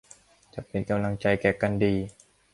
จะเป็นกำลังใจแก่กันดี